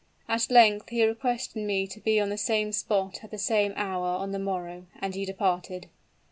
At length he requested me to be on the same spot at the same hour on the morrow; and he departed.